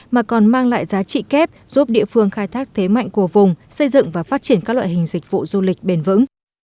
mà còn mang lại giá trị kép giúp địa phương khai thác thế mạnh của vùng xây dựng và phát triển các loại hình dịch vụ du lịch bền vững